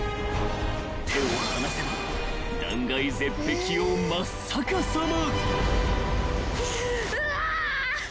［手を離せば断崖絶壁を真っ逆さま］